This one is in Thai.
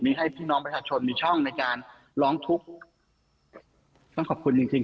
มีให้พี่น้องประชาชนมีช่องในการร้องทุกข์ต้องขอบคุณจริงจริง